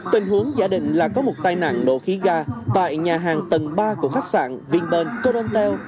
tình huống giả định là có một tai nạn nổ khí ga tại nhà hàng tầng ba của khách sạn vinpearl corontel